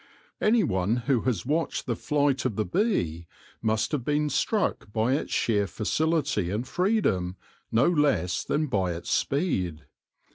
Anyone who has watched the flight of the bee must have been struck by its sheer facility and freedom no less than by its speed.